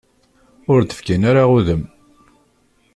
Ur d-fkin ara udem.